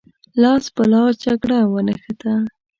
لاس په لاس جګړه ونښته.